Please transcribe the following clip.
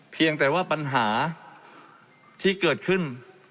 เพียงแต่ว่าปัญหาที่เกิดขึ้น